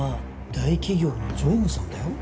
大企業の常務さんだよ